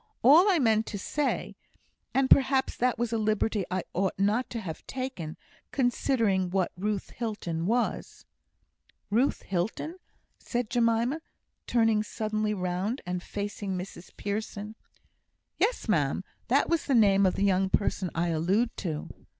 All I meant to say and perhaps that was a liberty I ought not to have taken, considering what Ruth Hilton was " "Ruth Hilton!" said Jemima, turning suddenly round, and facing Mrs Pearson. "Yes, ma'am, that was the name of the young person I allude to."